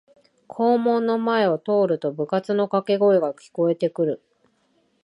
校門の前を通ると部活のかけ声が聞こえてくる